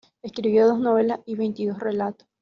Escribió dos novelas y veintidós relatos.